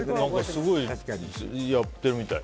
すごいやってるみたい。